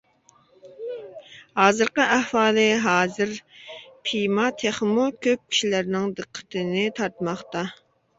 ھازىرقى ئەھۋالى ھازىر پىيما تېخىمۇ كۆپ كىشىلەرنىڭ دىققىتىنى تارتماقتا.